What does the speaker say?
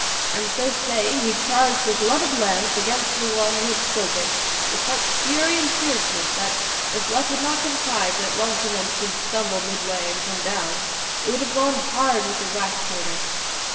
And so saying, he charged with levelled lance against the one who had spoken, with such fury and fierceness that, if luck had not contrived that Rocinante should stumble midway and come down, it would have gone hard with the rash trader.